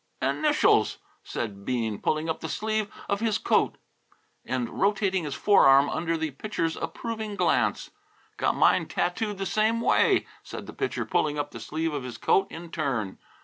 "Initials!" said Bean, pulling up the sleeve of his coat and rotating his fore arm under the Pitcher's approving glance. "Got mine tattooed the same way," said the Pitcher, pulling up the sleeve of his coat in turn.